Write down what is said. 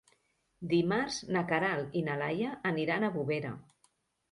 Dimarts na Queralt i na Laia aniran a Bovera.